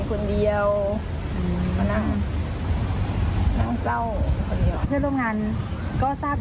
เข้าใจบางคนมันก็อารมณ์เชื่อรูป